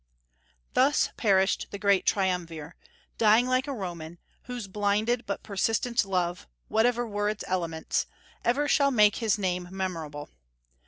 Thus perished the great Triumvir, dying like a Roman, whose blinded but persistent love, whatever were its elements, ever shall make his name memorable.